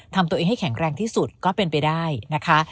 ทำตัวเองให้แข็งแรงที่สุดก็เป็นไปได้นะคะ